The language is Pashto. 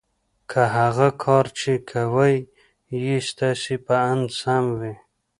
که هغه کار چې کوئ یې ستاسې په اند سم وي